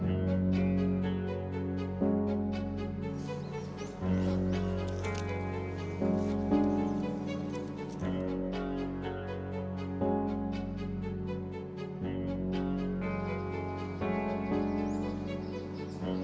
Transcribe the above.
aku juga salah apa apa